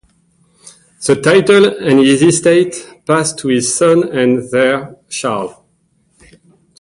The title and his estates passed to his son and heir Charles.